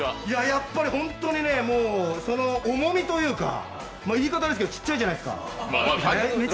やっぱり本当に、重みというか、言い方悪いですけど、ちっちゃいじゃないですか。